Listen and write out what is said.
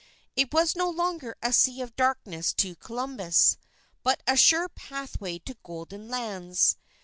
It was no longer a Sea of Darkness to Columbus, but a sure pathway to golden lands.